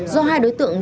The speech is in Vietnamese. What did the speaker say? do hai đối tượng